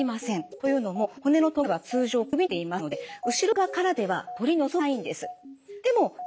というのも骨のトゲは通常首の前側にできていますので後ろ側からでは取り除けないんです。